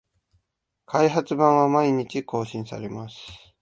開発版は毎日更新されます